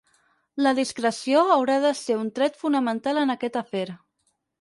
La discreció haurà de ser un tret fonamental en aquest afer.